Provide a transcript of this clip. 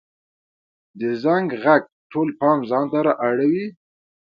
د زنګ ږغ ټول پام ځانته را اړوي.